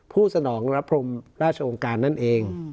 สนองรับพรมราชองค์การนั่นเอง